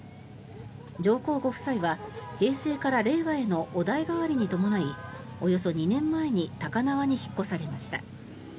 上皇ご夫妻は平成から令和へのお代替わりに伴いおよそ２年前に高輪に引っ越されました。